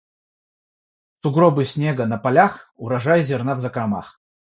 Сугробы снега на полях - урожай зерна в закромах.